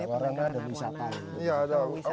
ya arwana dan wisata